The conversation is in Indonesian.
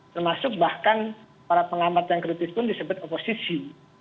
termasuk bahkan para pengamat yang kritis pun disebut oposisi